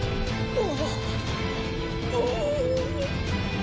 あ。